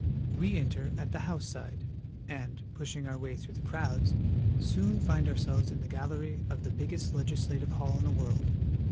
We enter at the House side, and, pushing our way through the crowds, soon find ourselves in the gallery of the biggest legislative hall in the world.